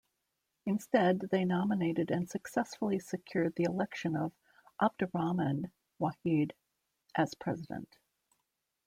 Instead, they nominated and successfully secured the election of Abdurrahman Wahid as President.